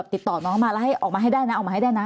ติดต่อน้องมาแล้วให้ออกมาให้ได้นะออกมาให้ได้นะ